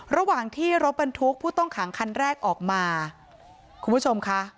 ระหว่างที่รถบรรทุกผู้ต้องขังคันแรกออกมาคุณผู้ชมค่ะ